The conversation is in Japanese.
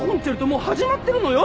もう始まってるのよ！